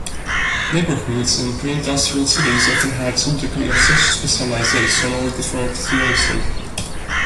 Neighbourhoods in preindustrial cities often had some degree of social specialisation or differentiation.